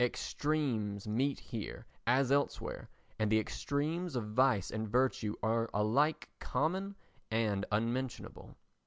Extremes meet here as elsewhere and the extremes of vice and virtue are alike common and unmentionable.